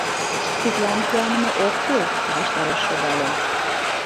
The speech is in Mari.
Тидлан куаныме ок кӱл! — ваштареш шогале.